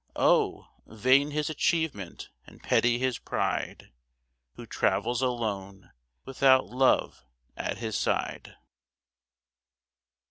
Oh! vain his achievement and petty his pride Who travels alone without love at his side.